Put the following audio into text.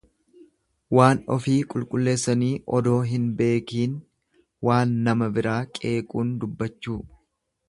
Waan ofii qulqulleessanii odoo hin beekiin waan nama biraa qeequun dubbachuu.